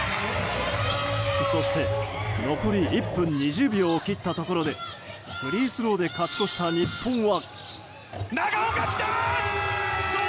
そして、残り１分２０秒を切ったところでフリースローで勝ち越した日本は。